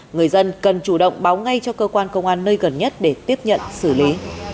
người dân cần chủ động báo ngay cho cơ quan công an nơi gần nhất để tiếp nhận xử lý